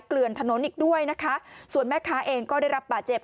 เกลือนถนนอีกด้วยนะคะส่วนแม่ค้าเองก็ได้รับบาดเจ็บ